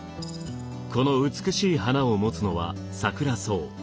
この美しい花を持つのはサクラソウ。